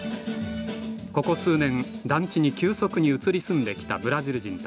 ここ数年団地に急速に移り住んできたブラジル人たち。